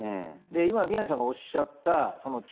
今、宮根さんがおっしゃった、力